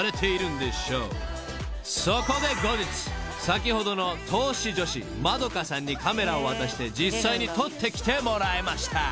［そこで後日先ほどの投資女子まどかさんにカメラを渡して実際に撮ってきてもらいました］